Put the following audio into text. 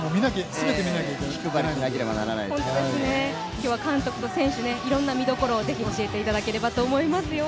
今日は監督と選手、いろんな見所をぜひ教えていただければと思いますよ。